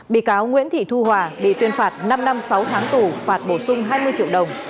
bị cáo nguyễn thị thu hòa bị tuyên phạt năm năm sáu tháng tù phạt bổ sung hai mươi triệu đồng